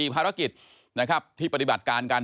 ภารกิจนะครับที่ปฏิบัติการกัน